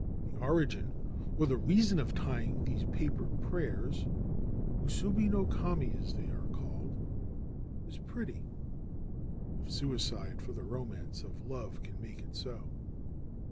4 The origin or the reason of tying these paper prayers — musubi no kami, as they are called — is pretty, if suicide for the romance of love can make it so.